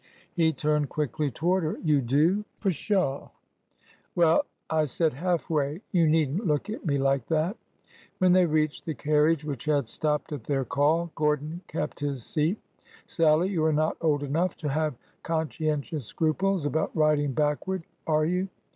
He turned quickly toward her. You do ! Pshaw 1 "'' Wellj I said half way. You need n't look at me like that!" When they reached the carriage, which had stopped at their call, Gordon kept his seat. " Sallie, you are not old enough to have conscientious scruples about riding backward, are you